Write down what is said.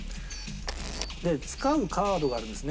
使うカードがあるんですね。